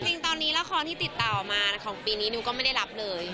จริงตอนนี้ละครที่ติดต่อมาของปีนี้นิวก็ไม่ได้รับเลย